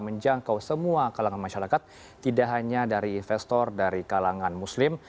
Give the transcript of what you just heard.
menjangkau semua kalangan masyarakat tidak hanya dari investor dari kalangan muslim